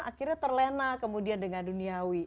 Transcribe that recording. akhirnya terlena kemudian dengan duniawi